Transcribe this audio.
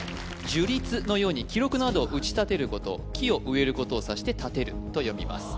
樹立のように記録などを打ち立てること木を植えることを指して「たてる」と読みます